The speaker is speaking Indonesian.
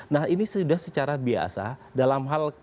nah ini sudah secara biasa dalam hal penggunaan istilah itu